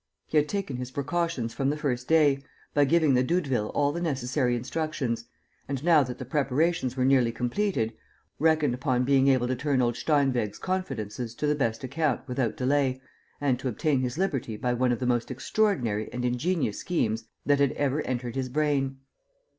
He had taken his precautions from the first day, by giving the Doudevilles all the necessary instructions and, now that the preparations were nearly completed, reckoned upon being able to turn old Steinweg's confidences to the best account without delay and to obtain his liberty by one of the most extraordinary and ingenious schemes that had ever entered his brain.